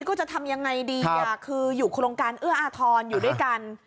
ก็จะทำยังไงดีคืออยู่โครงการเอื้ออาทรอยู่ด้วยกัน